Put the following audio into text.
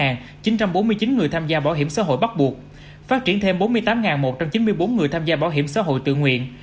một chín trăm bốn mươi chín người tham gia bảo hiểm xã hội bắt buộc phát triển thêm bốn mươi tám một trăm chín mươi bốn người tham gia bảo hiểm xã hội tự nguyện